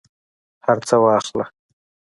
هرڅه واخله